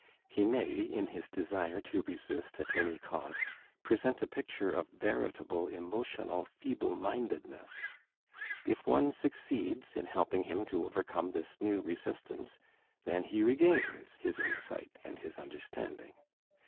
He may, in his desire to resist at any cost, present a picture of veritable emotional feeblemindedness. If one succeeds in helping him to overcome this new resistance, then he regains his insight and his understanding.